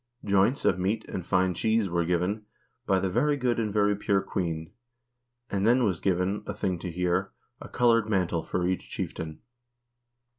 Joints (of meat), and fine cheese (were given) by the very good and very pure queen, and then was given, (a thing) to hear, a colored mantle for each chieftain."